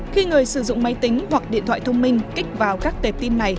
khi người sử dụng máy tính hoặc điện thoại thông minh kích vào các tệp tin này